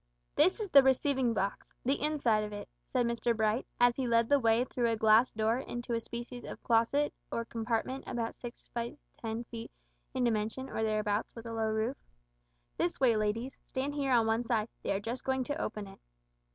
"This is the receiving box the inside of it," said Mr Bright, as he led the way through a glass door into a species of closet or compartment about six feet by ten in dimension, or thereabouts, with a low roof. "This way ladies. Stand here on one side. They are just going to open it."